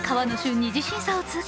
二次審査を通過。